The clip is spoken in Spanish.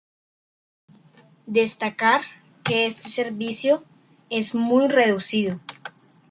Destacar que este servicio es muy reducido.